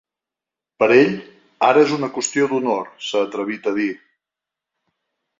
Per ell, ara és una qüestió d’honor, s’ha atrevit a dir.